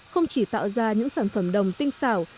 không chỉ tạo ra những sản phẩm đồng tinh xảo